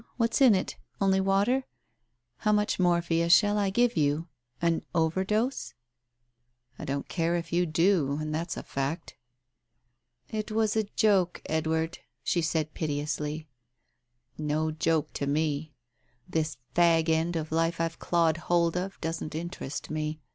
What's in it? Only water? How much morphia shall I give you? An over dose ?" "I don't care if you do, and that's a fact." Digitized by Google 126 TALES OF THE UNEASY " It was a joke, Edward," she said piteously . "No joke to me. This fag end of life I've clawed hold of, doesn't interest me.